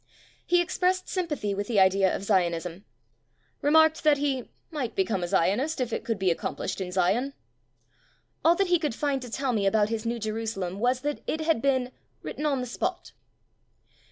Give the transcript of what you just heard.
He expressed sympathy with the idea of Zionism. Remarked that he "might become a Zionist if it could be accomplished in Zion". All that he could find to tell me about his "New Jerusalem" was that it had been "written on the spot".